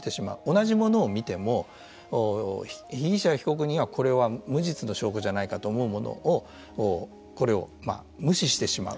同じものを見ても被疑者、被告人はこれは無実の証拠じゃないかと思うものをこれを無視してしまう。